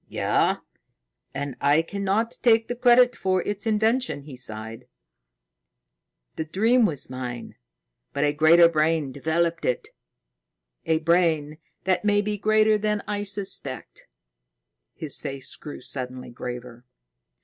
"Yes. And I cannot take the credit for its invention." He sighed. "The dream was mine, but a greater brain developed it a brain that may be greater than I suspect." His face grew suddenly graver.